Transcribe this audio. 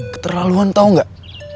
keterlaluan tau gak